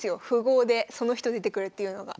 符号でその人出てくるっていうのが。